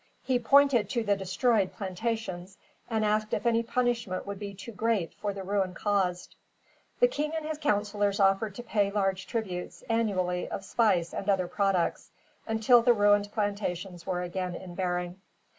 He pointed to the destroyed plantations, and asked if any punishment could be too great for the ruin caused. The king and his councilors offered to pay large tributes, annually, of spice and other products, until the ruined plantations were again in bearing.